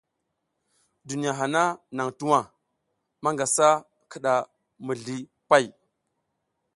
Duniya hana nang tuwa, manga sa kida mizli pay.